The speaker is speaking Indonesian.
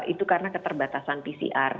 itu karena keterbatasan pcr